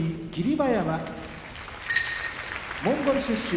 馬山モンゴル出身